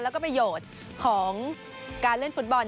แล้วก็ประโยชน์ของการเล่นฟุตบอล